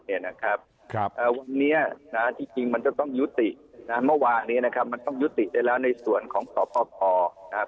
วันนี้ที่จริงมันจะต้องยุติเมื่อวานนี้มันต้องยุติได้แล้วในส่วนของสอบภาพครับ